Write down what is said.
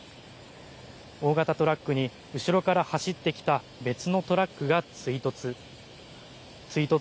大型トラックに、後ろから走ってきた別のトラックが追突。